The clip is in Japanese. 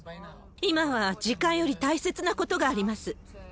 今は時間より大切なことがあります。